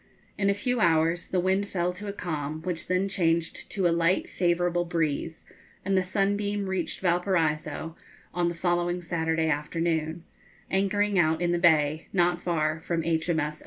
In a few hours the wind fell to a calm, which then changed to a light favourable breeze, and the 'Sunbeam' reached Valparaiso on the following Saturday afternoon, anchoring out in the bay, not far from H.